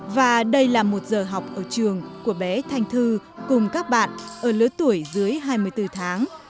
và đây là một giờ học ở trường của bé thanh thư cùng các bạn ở lứa tuổi dưới hai mươi bốn tháng